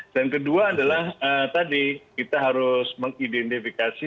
dan kedua adalah tadi kita harus mengidentifikasi